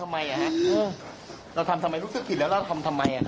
ไม่สะทธบสะทานเลยเหรอ